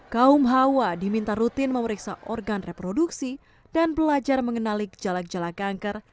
kaum hawa diminta rutin memeriksa organ reproduksi dan belajar mengenali gejala gejala kanker